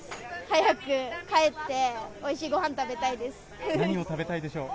早く帰っておいしいご飯を食べたいです。